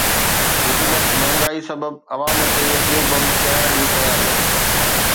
حڪومت مهانگائي سبب عوام تي ٻيو بم ڪيرائڻ جون تياريون